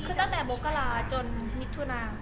คือตั้งแต่มกราจนมิถุนา